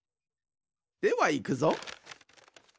ではいくぞ。